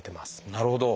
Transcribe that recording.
なるほど。